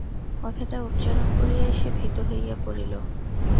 কথাটা উচ্চারণ করিয়াই সে ভীত হইয়া পড়িল।